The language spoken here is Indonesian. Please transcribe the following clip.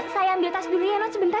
saya ambil tas dulu ya mas sebentar